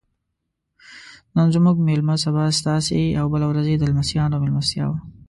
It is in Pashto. نن زموږ میلمه سبا ستاسې او بله ورځ یې د لمسیانو میلمستیا وه.